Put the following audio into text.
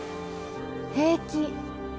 平気。